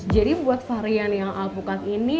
jadi buat varian yang alpukat ini